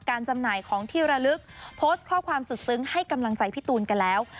จำหน่ายของที่ระลึกโพสต์ข้อความสุดซึ้งให้กำลังใจพี่ตูนกันแล้ว